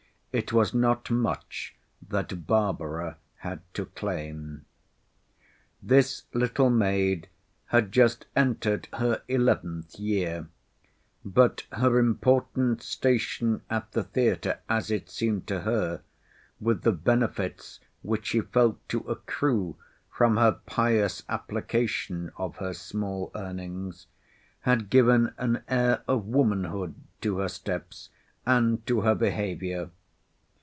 It was not much that Barbara had to claim. This little maid had just entered her eleventh year; but her important station at the theatre, as it seemed to her, with the benefits which she felt to accrue from her pious application of her small earnings, had given an air of womanhood to her steps and to her behaviour.